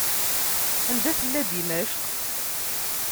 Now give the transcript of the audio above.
Anda tella Dimecq?